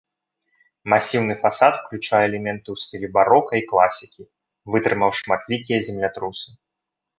Масіўны фасад уключае элементы ў стылі барока і класікі, вытрымаў шматлікія землятрусы.